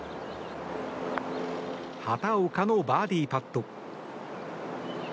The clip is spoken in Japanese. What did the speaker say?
畑岡のバーディーパット。